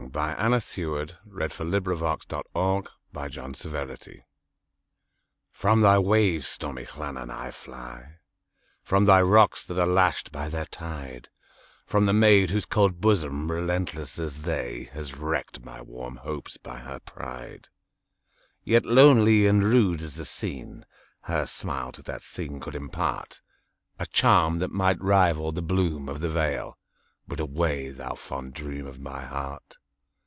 I–IV. 1876–79. Wales: Llannon Song By Anna Seward (1747–1809) FROM thy waves, stormy Llannon, I fly; From thy rocks, that are lashed by their tide; From the maid whose cold bosom, relentless as they, Has wrecked my warm hopes by her pride! Yet lonely and rude as the scene, Her smile to that scene could impartA charm that might rival the bloom of the vale,—But away, thou fond dream of my heart!